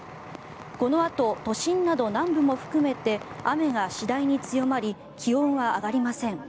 このあと都心など南部も含めて雨が次第に強まり気温は上がりません。